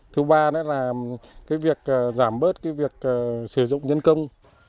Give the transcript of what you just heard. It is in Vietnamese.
thứ ba là việc giảm bớt việc sử dụng nhân công